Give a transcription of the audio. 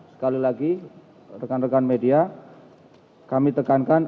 sekali lagi rekan rekan media kami tekankan